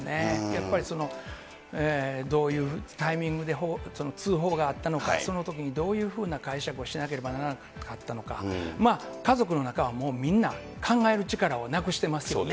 やっぱりその、どういうタイミングで通報があったのか、そのときにどういうふうな解釈をしなければならなかったのか、家族の中はもうみんな、考える力をなくしてますよね。